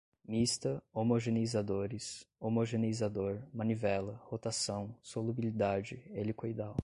mista, homogeneizadores, homogeneizador, manivela, rotação, solubilidade, helicoidal